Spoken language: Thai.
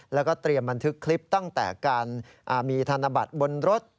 แล้วก็เตรียมบันทึกคลิปตั้งแต่การมีธนบัตรบนรถ